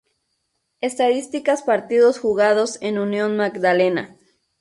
Estadísticas Partidos Jugados en Unión Magdalena